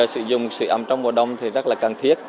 sử dụng sữa ấm trong mùa đông thì rất là cần thiết